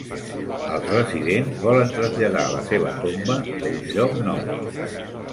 Els residents volen traslladar la seva tomba a un lloc nou.